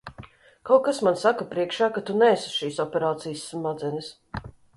Kaut kas man saka priekšā, ka tu neesi šīs operācijas smadzenes.